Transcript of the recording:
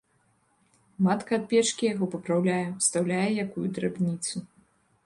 Матка ад печкі яго папраўляе, устаўляе якую драбніцу.